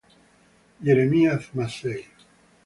Jeremiah Massey